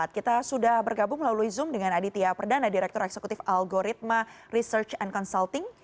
kita sudah bergabung melalui zoom dengan aditya perdana direktur eksekutif algoritma research and consulting